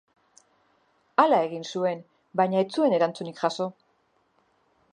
Hala egin zuen, baina ez zuen erantzunik jaso.